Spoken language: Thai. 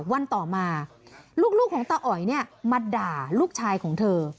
วันต่อมาลูกของตาอ๋อยมาด่าลูกชายของเธอ